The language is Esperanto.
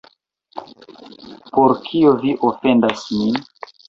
Por kio vi ofendas min?